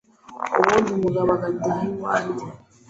ubundi umugabo agataha iwanjye